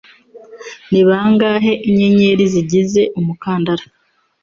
Ni bangahe Inyenyeri zigize umukandara